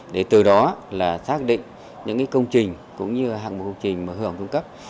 để từ đó xác định những công trình cũng như hạng bộ công trình hư hỏng xuống cấp